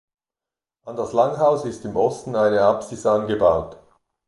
An das Langhaus ist im Osten eine Apsis angebaut.